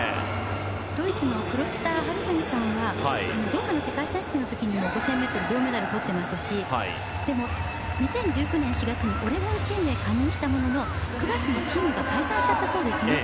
ドイツのクロスターハルフェンさんはドーハの世界選手権の時にも５０００ｍで銅メダルをとっていますし２０１９年４月にオレゴンチームに加入したものの９月にチームが解散しちゃったそうですね。